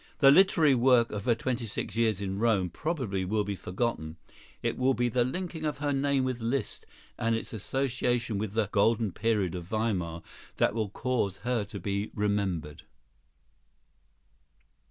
The literary work of her twenty six years in Rome probably will be forgotten; it will be the linking of her name with Liszt, and its association with the "golden period" of Weimar, that will cause her to be remembered.